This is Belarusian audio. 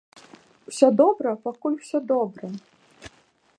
Усё добра, пакуль усё добра.